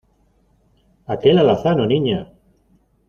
aquel alazano, Niña.